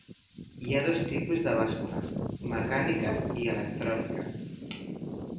Hi ha dos tipus de bàscules: mecàniques i electròniques.